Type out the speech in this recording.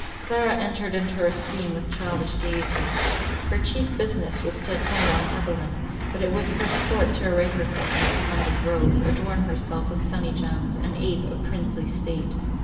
Clara entered into our scheme with childish gaiety. Her chief business was to attend on Evelyn; but it was her sport to array herself in splendid robes, adorn herself with sunny gems, and ape a princely state.